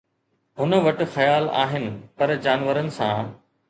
هن وٽ خيال آهن پر جانورن سان